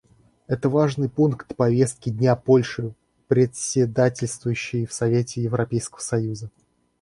Это важный пункт повестки дня для Польши, председательствующей в Совете Европейского союза.